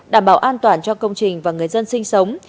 đảm bảo an toàn cho công trình và người dân sinh sống